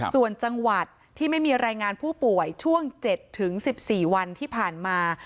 ส่วนจังหวัดที่ไม่มีรายงานผู้ป่วยช่วง๗๑๔วันที่ผ่านมา